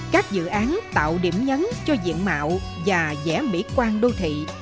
các dự án tạo điểm nhấn cho diện mạo và dẻ mỹ quan đô thị